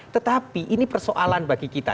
tetapi ini persoalan bagi kita